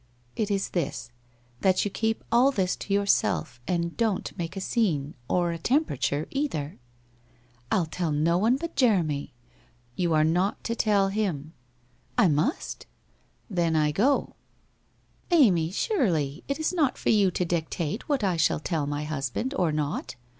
1 It is this, that you keep all ibis to yourself, and don't make a scene or a temperature either.' ' I'll tell no one but Jeremy.' 1 You are not to tell him.' * I must.' ' Then I go.' 203 204 WHITE ROSE OF WEARY LEAF ' Amy, surely — it is not for you to dictate what I shall tell my husband or not.